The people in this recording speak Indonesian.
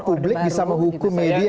jadi publik bisa menghukum media